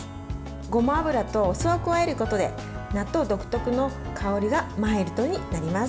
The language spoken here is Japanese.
ごま油とお酢を加えることで納豆独特の香りがマイルドになります。